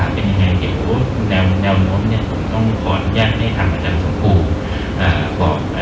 เกี่ยวแนวน้ำจะยังไม่ด้านสมุข